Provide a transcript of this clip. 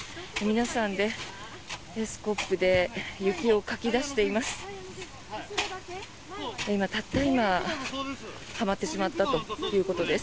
皆さんでスコップで雪をかき出しています。